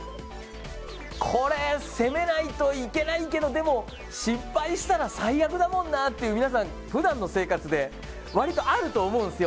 これ攻めないといけないけどでも、失敗したら最悪だもんなっていう皆さん、ふだんの生活で割とあると思うんすよ